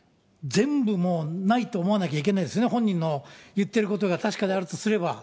全部もう、ないと思わなきゃいけないですね、本人の言ってることが確かであるとすれば。